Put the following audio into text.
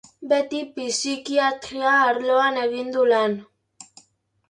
Beti psikiatria arloan egin du lan.